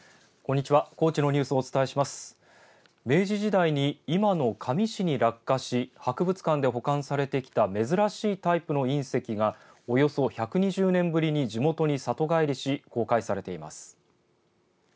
明治時代に今の香美市に落下し博物館で保管されてきた珍しいタイプの隕石がおよそ１２０年ぶりに地元に里帰りし公開されています。